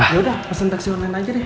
ya udah pesen taxi online aja deh